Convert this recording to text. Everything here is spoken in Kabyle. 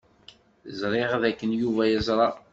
Ẓriɣ dakken Yuba yeẓra.